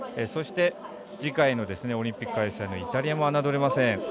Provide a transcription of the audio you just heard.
そして、次回のオリンピック開催のイタリアも侮れません。